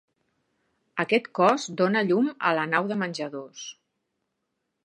Aquest cos dóna llum a la nau de menjadors.